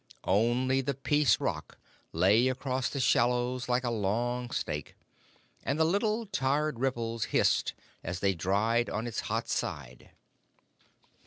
Only the Peace Rock lay across the shallows like a long snake, and the little tired ripples hissed as they dried on its hot side.